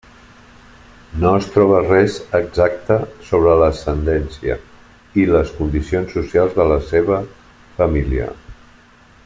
No es troba res exacte sobre l'ascendència i les condicions socials de la seva família.